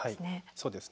そうですね。